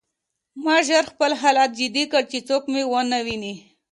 ما ژر خپل حالت جدي کړ چې څوک مې ونه ویني